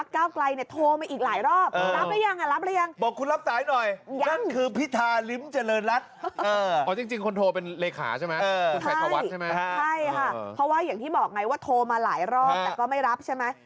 ใช่ค่ะเพราะว่าอย่างที่บอกไงว่าโทรมาหลายรอบแต่ก็ไม่รับใช่ไหม